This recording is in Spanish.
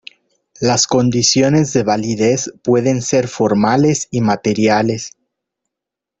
Las condiciones de validez pueden ser formales y materiales.